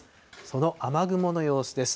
その雨雲の様子です。